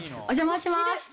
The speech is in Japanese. お邪魔します。